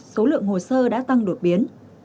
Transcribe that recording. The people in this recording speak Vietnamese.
cấu lượng hồ sơ đã tăng đột biến